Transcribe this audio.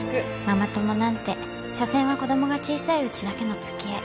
ママ友なんてしょせんは子供が小さいうちだけの付き合い。